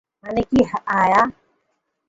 মানে কী, আয়!